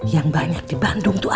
yang banyak di bandung